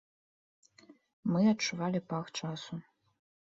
Мы адчувалі пах часу.